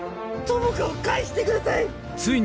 友果を返してください！